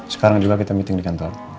sekarang juga kita meeting di kantor